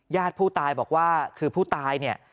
ญาติผู้ตายบอกว่าคือผู้ตายเนี่ย